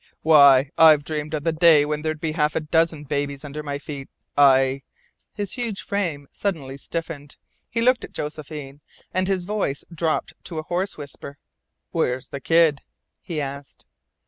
"Why, I've dreamed of the day when there'd be half a dozen babies under my feet. I " His huge frame suddenly stiffened. He looked at Josephine, and his voice dropped to a hoarse whisper: "Where's the kid?" he asked.